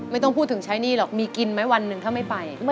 ไม่ต้องพูดถึงใช้หนี้หรอกมีกินไหมวันหนึ่งถ้าไม่ไป